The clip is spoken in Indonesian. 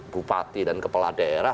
bupati dan kepala daerah